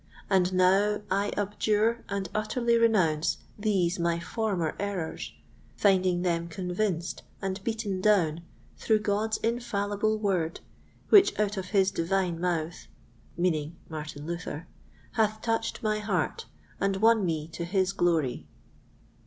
And now I abjure and utterly renounce these my former errors, finding them convinced and beaten down through God's infallible Word which out of his divine mouth" (Martin Luther), "hath touched my heart, and won me to his glory."